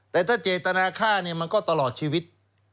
แต่ถ้าเจตนาฆ่าเนี่ยมันก็ตลอดชีวิต